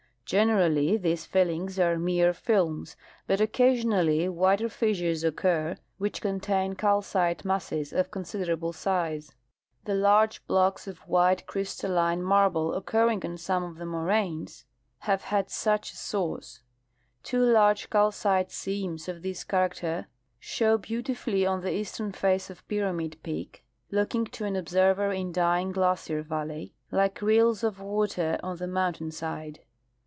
Generally these fillings are mere films, but occasionally wider fissures occur which contain calcite masses of considerable size. The large blocks of white crvstalline Fossils of ancient As]jed. 59 marble occurring on some of the moraines have had sucli a source. Tavo large calcite seams of this character show beautifully on the eastern face of Pyramid peak, looking, to an observer in Dying glacier valley, like rills of water on the mountain side.